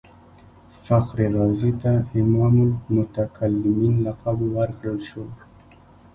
فخر رازي ته امام المتکلمین لقب ورکړل شو.